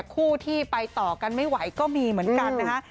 คู่ที่ไปต่อกันไม่ไหวก็มีเหมือนกันนะคะ